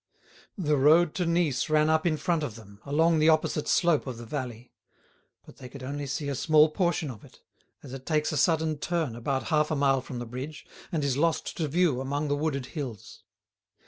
The road to Nice ran up in front of them, along the opposite slope of the valley. But they could only see a small portion of it, as it takes a sudden turn about half a mile from the bridge, and is lost to view among the wooded hills.